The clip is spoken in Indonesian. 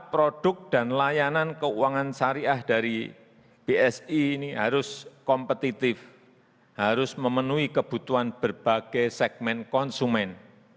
produk dan layanan keuangan syariah dari bsi ini harus kompetitif harus memenuhi kebutuhan berbagai segmen konsumen